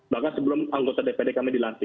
bahkan sebelum anggota dpd kami dilantik